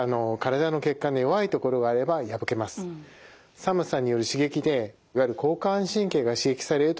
寒さによる刺激でいわゆる交感神経が刺激されるとですね